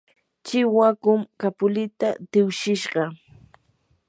chiwakum kapulita tiwshishqa.